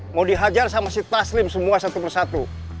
mau dihajar sama si taslim semua satu persatu